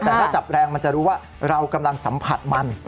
แต่ถ้าจับแรงมันจะรู้ว่าเรากำลังสัมผัสมัน